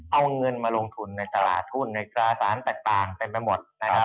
เอาเงินมาลงทุนในจาลาธุ่นในกราศาสตร์แตกต่างเป็นไปหมด